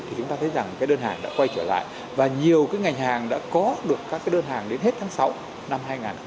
thì chúng ta thấy rằng cái đơn hàng đã quay trở lại và nhiều cái ngành hàng đã có được các cái đơn hàng đến hết tháng sáu năm hai nghìn hai mươi